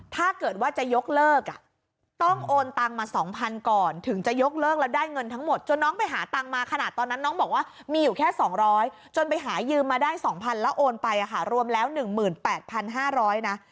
ถ้าเกิดว่าจะยกเลิกต้องโอนตังมา๒๐๐ก่อนถึงจะยกเลิกแล้วได้เงินทั้งหมดจนน้องไปหาตังค์มาขนาดตอนนั้นน้องบอกว่ามีอยู่แค่๒๐๐จนไปหายืมมาได้๒๐๐๐แล้วโอนไปรวมแล้ว๑๘๕๐๐นะ